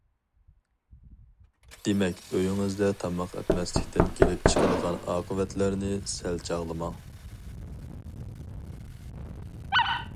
دېمەك ئۆيىڭىزدە تاماق ئەتمەسلىكتىن كېلىپ چىقىدىغان ئاقىۋەتلەرنى سەل چاغلىماڭ.